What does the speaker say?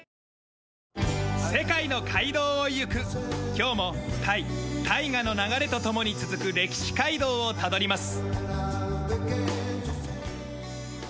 今日もタイ大河の流れと共に続く歴史街道をたどります。